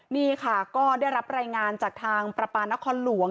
นี่ค่ะก็ได้รับรายงานจากทางประปานครหลวง